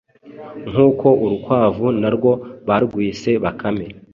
nkuko urukwavu narwo barwise Bakame ‘.